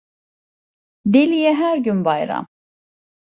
Deliye her gün bayram.